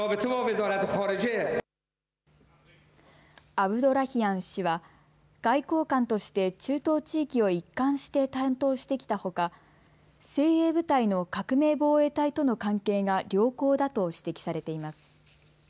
アブドラヒアン氏は外交官として中東地域を一貫して担当してきたほか精鋭部隊の革命防衛隊との関係が良好だと指摘されています。